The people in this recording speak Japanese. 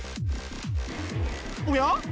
おや？